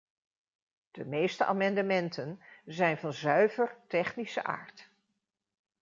De meeste amendementen zijn van zuiver technische aard.